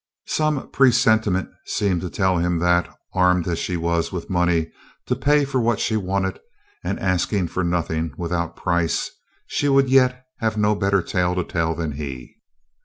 Some presentiment seemed to tell him that, armed as she was with money to pay for what she wanted and asking for nothing without price, she would yet have no better tale to tell than he.